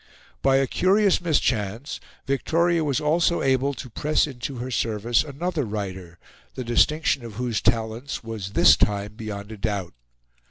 By a curious mischance Victoria was also able to press into her service another writer, the distinction of whose talents was this time beyond a doubt.